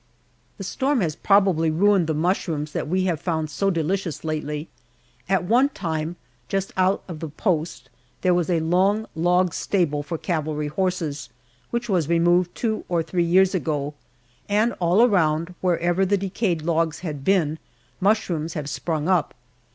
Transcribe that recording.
The storm has probably ruined the mushrooms that we have found so delicious lately. At one time, just out of the post, there was a long, log stable for cavalry horses which was removed two or three years ago, and all around, wherever the decayed logs had been, mushrooms have sprung up.